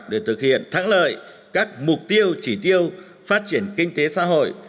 để thực hiện thắng lợi các mục tiêu chỉ tiêu phát triển kinh tế xã hội